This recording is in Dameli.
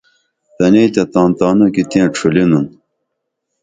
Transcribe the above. تنئیں تیہ تان تانوں کی تیں ڇُھلینُن